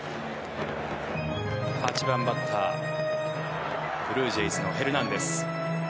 ８番バッター、ブルージェイズのヘルナンデス。